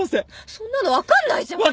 そんなの分かんないじゃん。